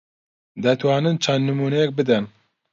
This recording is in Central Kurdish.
دەتوانن چەند نموونەیەک بدەن؟